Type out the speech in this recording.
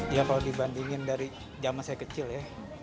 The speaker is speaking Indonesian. ya kalau dibandingin dari zaman saya kecil ya